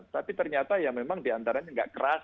tapi ternyata ya memang di antaranya tidak keras